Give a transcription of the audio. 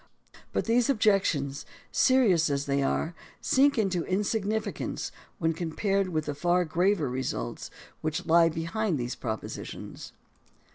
But these objections, serious as they are, sink into insignificance when compared with the far graver results which lie behind these propositions.